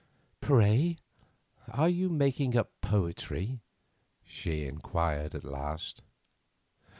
"Pray, are you making up poetry?" she inquired at last.